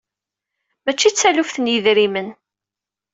Mačči d taluft n yidrimen.